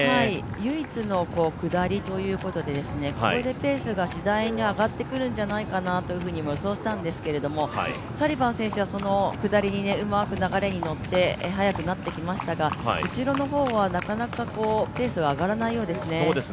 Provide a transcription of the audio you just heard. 唯一の下りということでここでペースがしだいに上がってくるんじゃないかと予想したんですけれども、サリバン選手はその下りにうまく流れに乗って、速くなってきましたが、後ろの方はなかなかペースが上がらないようですね。